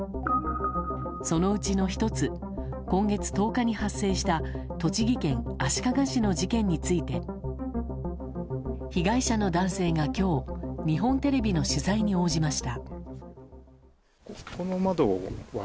そのうちの１つ今月１０日に発生した栃木県足利市の事件について被害者の男性が今日日本テレビの取材に応じました。